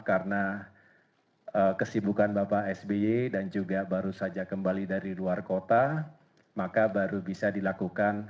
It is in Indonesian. karena kesibukan bapak sby dan juga baru saja kembali dari luar kota maka baru bisa dilakukan